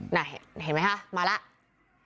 เห็นไหมคะมาแล้ว